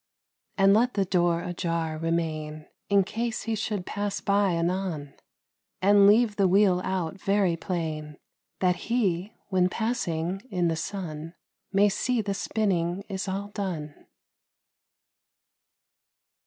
And let the door ajar remain, In case he should pass by anon; And leave the wheel out very plain, That HE, when passing in the sun, May see the spinning is all done.